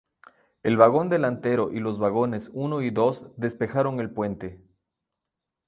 El vagón delantero y los vagones uno y dos despejaron el puente.